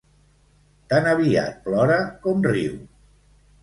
Tan aviat plora com riu.